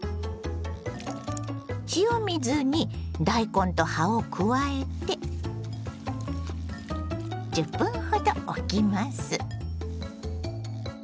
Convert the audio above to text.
塩水に大根と葉を加えて１０分ほどおきます。